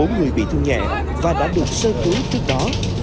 bốn người bị thương nhẹ và đã được sơ cứu trước đó